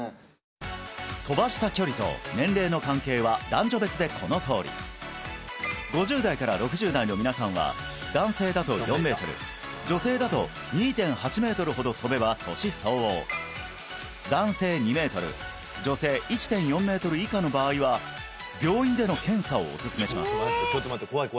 飛ばした距離と年齢の関係は男女別でこのとおり５０代から６０代の皆さんは男性だと４メートル女性だと２．８メートルほど飛べば年相応男性２メートル女性１．４メートル以下の場合は病院での検査をおすすめします